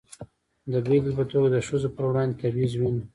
د بېلګې په توګه د ښځو پر وړاندې تبعیض وینو.